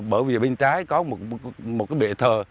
bởi vì bên trái có một bệ thờ